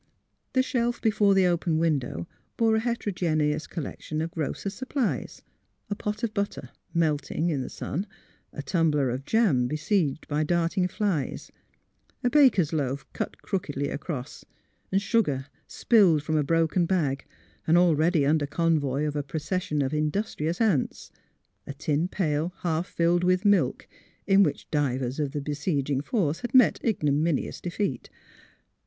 The shelf before the open window bore a heterogeneous collection of grocer's supplies; a pot of butter, melting in the sun, a tumbler of jam A LITTLE JOUENEY 121 besieged by darting flies; a baker's loaf, cut crookedly across; sugar, spilled from a broken bag and already under convoy of a procession of industrious ants; a tin pail half filled with milk, in which divers of the besieging force had met ignominious defeat.